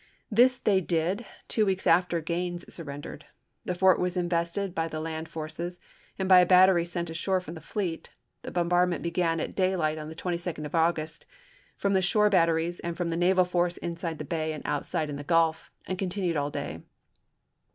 This they did two weeks after Gaines surrendered. The fort was in vested by the land forces, and by a battery sent ashore from the fleet ; the bombardment began at daylight, on the 22d of August, from the shore batteries and from the naval force inside the bay and outside in the Gulf, and continued all day.